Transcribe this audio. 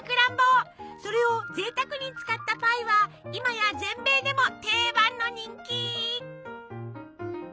それをぜいたくに使ったパイは今や全米でも定番の人気！